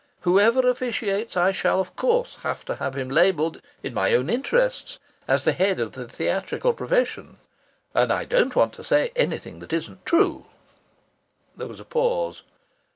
Whoever officiates I shall of course have to have him labelled, in my own interests, as the head of the theatrical profession, and I don't want to say anything that isn't true." There was a pause.